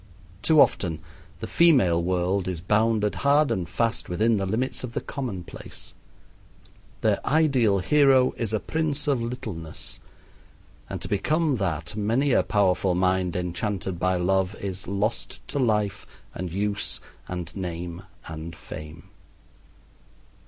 Too often the female world is bounded hard and fast within the limits of the commonplace. Their ideal hero is a prince of littleness, and to become that many a powerful mind, enchanted by love, is "lost to life and use and name and fame."